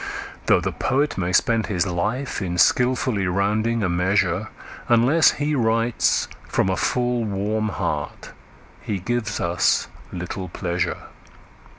Though the poet may spend his life in skilfully rounding a measure, Unless he writes from a full, warm heart he gives us little pleasure.